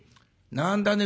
何だね